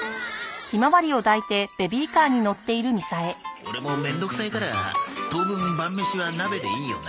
オレも面倒くさいから当分晩飯は鍋でいいよな。